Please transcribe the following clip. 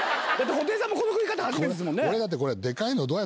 布袋さんもこの食い方初めてですもんね？